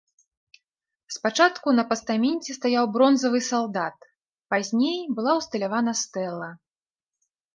Спачатку на пастаменце стаяў бронзавы салдат, пазней была ўсталявана стэла.